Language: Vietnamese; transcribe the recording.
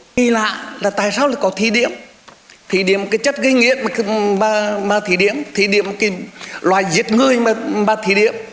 kỳ lạ là tại sao có thí điểm thí điểm cái chất gây nghiện mà thí điểm thí điểm cái loại giết người mà thí điểm